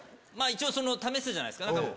一応試すじゃないですか。